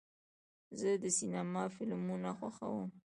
زه د سینما فلمونه خوښوم.